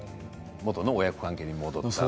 元の親子関係に戻った。